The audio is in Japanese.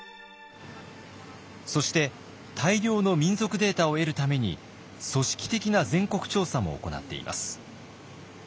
そして大量の民俗データを得るために組織的な全国調査も行っています。